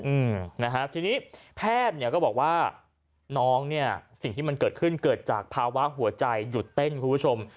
อืมนะฮะทีนี้แพทย์เนี่ยก็บอกว่าน้องเนี่ยสิ่งที่มันเกิดขึ้นเกิดจากภาวะหัวใจหยุดเต้นคุณผู้ชม